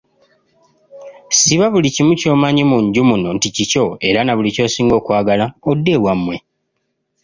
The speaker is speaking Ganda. Siba buli kimu ky'omanyi mu nju muno nti kikyo era na buli ky'osinga okwagala odde ewammwe.